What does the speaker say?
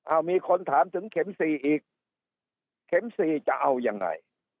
เอามีคนถามถึงเข็มสี่อีกเข็มสี่จะเอายังไง